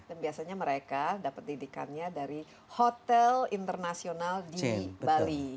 dan biasanya mereka dapat didikannya dari hotel internasional di bali